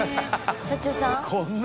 社長さん？